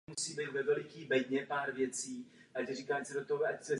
Po návratu do vlasti a absolvování povinné vojenské služby působil jako kněz.